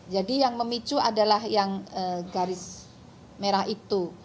jadi yang memicu adalah yang garis merah itu